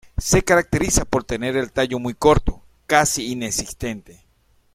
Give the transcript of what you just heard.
Se caracterizan por tener el tallo muy corto, casi inexistente.